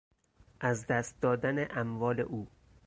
از دست دادن اموال او